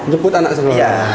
jemput anak sekolah